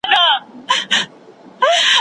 هیله د درملنې برخه ده.